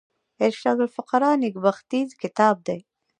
ارشاد الفقراء نېکبختي کتاب دﺉ.